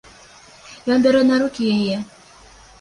Ён бярэ на рукі яе.